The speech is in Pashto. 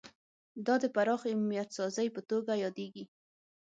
دا د پراخې عمومیت سازۍ په توګه یادیږي